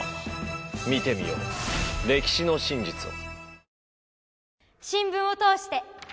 見てみよう歴史の真実を。